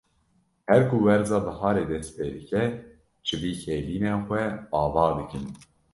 Her ku werza biharê dest pê dike, çivîk hêlînên xwe ava dikin.